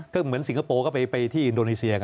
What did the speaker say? ก็เหมือนสิงคโปร์ก็ไปที่อินโดนีเซีย